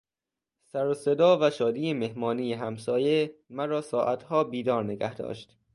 سروصدا و شادی مهمانی همسایه مرا ساعتها بیدار نگهداشت.